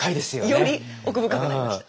より奥深くなりました。